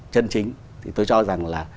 chân chính thì tôi cho rằng là